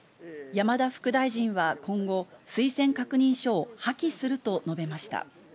山田副大臣は今後、推薦確認書を破棄すると述べました。